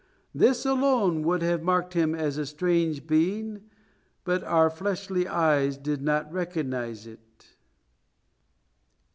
This alone would have marked him as a strange being, but our fleshly eyes did not recognize it."